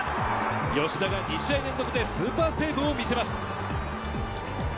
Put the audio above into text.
吉田が２試合連続でスーパーセーブを見せます。